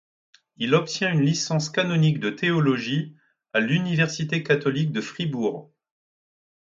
Il obtient une licence canonique de théologie à l'Université catholique de Fribourg.